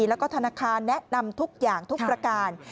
แล้วก็ธนาคารแนะนำทุกอย่างทุกประการ